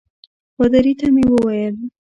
پادري ته مې وویل.